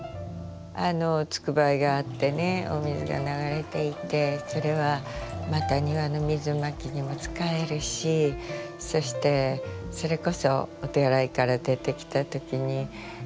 つくばいがあってねお水が流れていてそれはまた庭の水まきにも使えるしそしてそれこそお手洗いから出てきた時に手も洗えるし。